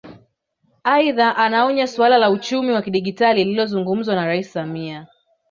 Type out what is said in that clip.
Aidha anaonya suala la uchumi wa kidigitali lililozungumzwa na Rais Samia